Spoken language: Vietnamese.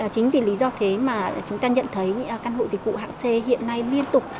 chính vì lý do thế mà chúng ta nhận thấy căn hộ dịch vụ hạng c hiện nay liên tục